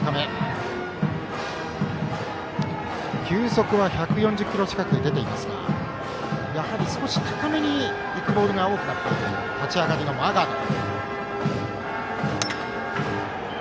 球速は１４０キロ近く出ていますがやはり少し高めに浮くボールが多くなっている立ち上がりのマーガード。